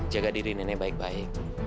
jaga diri nenek baik baik